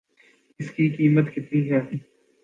اس کی قیمت کتنی ہے